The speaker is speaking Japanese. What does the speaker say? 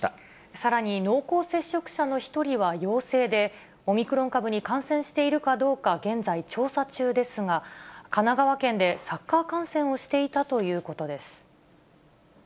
さらに濃厚接触者の１人は陽性で、オミクロン株に感染しているかどうか現在、調査中ですが、神奈川県でサッカー観戦をしていたということです。